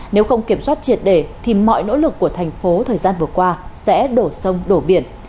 nếu không kiểm soát triệt đề thì mọi nỗ lực của thành phố thời gian vừa qua sẽ đổ sông đổ biển